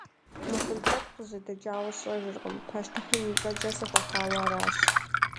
Мыхъун лъэпкъ къызжьэдэкӀауэ сщӀэжыркъым, пащтыхьым и цӀэкӀэ сыхъуэхъуауэ аращ.